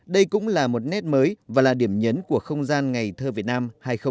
đây cũng là một nét mới và là điểm nhấn của không gian ngày thơ việt nam hai nghìn hai mươi bốn